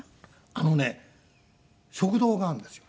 あのね食堂があるんですよ。